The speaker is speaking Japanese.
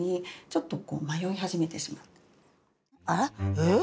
えっ？